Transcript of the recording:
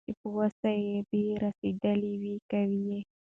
چي په وس دي رسېدلي وي كوه يې